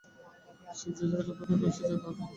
যে জায়গায় যথার্থ বিপদ, সে জায়গায় তাহার চোখ পড়িল না।